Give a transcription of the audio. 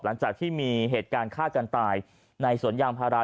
หลังจากที่มีเหตุการณ์ฆ่ากันตายในสวนยางพารา